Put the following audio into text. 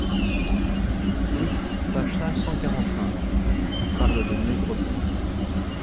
huit, page cinq cent quarante-cinq) parlent de Négrepont.